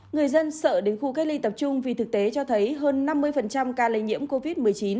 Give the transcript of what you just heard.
người dân sợ đến khu cách ly tập trung vì thực tế cho thấy hơn năm mươi ca lây nhiễm covid một mươi chín